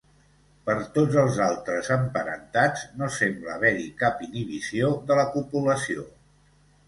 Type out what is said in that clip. Per tots els altres emparentats, no sembla haver-hi cap inhibició de la copulació.